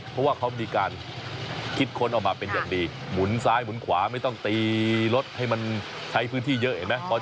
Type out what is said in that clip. เพราะว่าเขามีการคิดค้นออกมาเป็นอย่างดีหมุนซ้ายหมุนขวาไม่ต้องตีรถให้มันใช้พื้นที่เยอะเห็นไหม